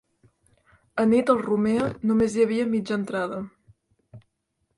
Anit al Romea, només hi havia mitja entrada.